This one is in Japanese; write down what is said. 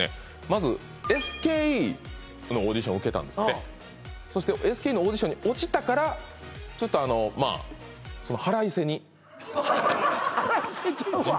まずＳＫＥのオーディション受けたんですってそしてＳＫＥのオーディションに落ちたからちょっとあのまあ腹いせに腹いせちゃうわ！